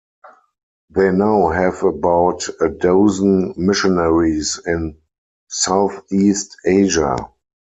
They now have about a dozen missionaries in southeast Asia.